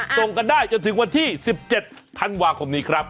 ส่งกันได้จนถึงวันที่๑๗ธันวาคมนี้ครับ